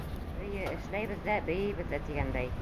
— Эйе, эшләйбеҙ ҙә, бейейбеҙ ҙә тигәндәй...